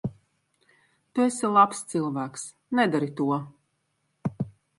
Tu esi labs cilvēks. Nedari to.